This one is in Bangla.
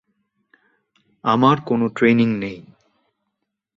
আমার কোনো ট্রেইনিং নেই।